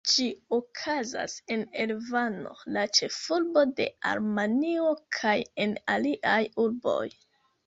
Ĝi okazas en Erevano, la ĉefurbo de Armenio, kaj en aliaj urboj.